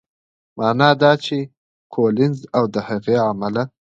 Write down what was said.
معنا دا چې کولینز او د هغې عمله